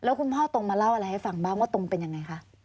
คุณพ่อตรงมาเล่าอะไรให้ฟังบ้างว่าตรงเป็นยังไงคะ